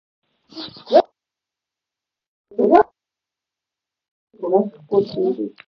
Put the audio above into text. ازادي راډیو د د کانونو استخراج په اړه د محلي خلکو غږ خپور کړی.